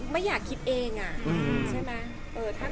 ไม่อยากคิดเอง